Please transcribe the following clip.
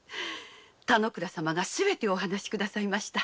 田之倉様がすべてお話くださいました。